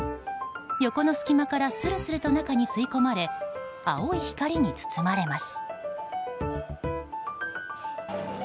横の隙間からするすると中に吸い込まれ青い光に包まれます。